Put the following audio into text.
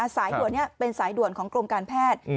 สายด่วนนี้เป็นสายด่วนของกรมการแพทย์